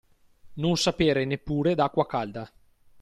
Non sapere neppure d'acqua calda.